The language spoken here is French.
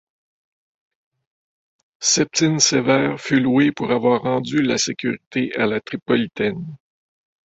Septime Sévère fut loué pour avoir rendu la sécurité à la Tripolitaine.